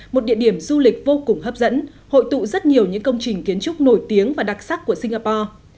một địa điểm du lịch vô cùng hấp dẫn hội tụ rất nhiều những công trình kiến trúc nổi tiếng và đặc sắc của singapore